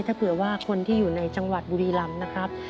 ถ้าเผื่อว่าคนที่อยู่ในจังหวัดบุรีรำนะครับ